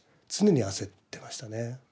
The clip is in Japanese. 常に焦ってましたね。